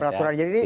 peraturan yang ada